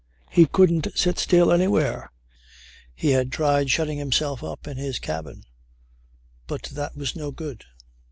He couldn't sit still anywhere. He had tried shutting himself up in his cabin; but that was no good.